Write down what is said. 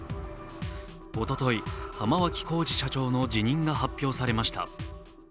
おととい、浜脇浩次社長の辞任が発表されました。